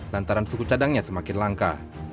lantaran suku cadangnya semakin langka